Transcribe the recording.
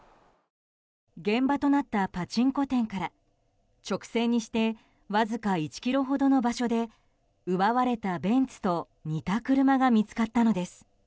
現場となったパチンコ店から直線にしてわずか１ｋｍほどの場所で奪われたベンツと似た車が見つかったのです。